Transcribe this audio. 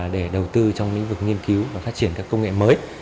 để đầu tư trong lĩnh vực nghiên cứu và phát triển các công nghệ mới